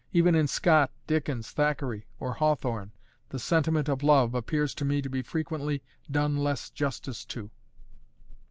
Even in Scott, Dickens, Thackeray, or Hawthorne, the sentiment of love appears to me to be frequently done less justice to."